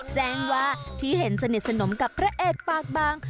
แจ้งว่าที่เห็นสนิทสนมกับพระเอกปากบาง